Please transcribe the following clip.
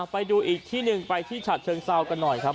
ไปดูอีกที่หนึ่งไปที่ฉัดเชิงเซากันหน่อยครับ